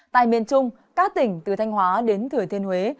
tại miền trung các tỉnh từ thanh hóa đến thừa thiên huế